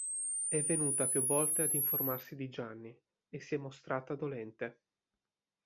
È venuta più volte ad informarsi di Gianni e si è mostrata dolente.